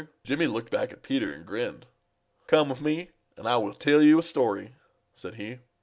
Jimmy looked back at Peter and grinned. "Come on with me, and I will tell you a story," said he.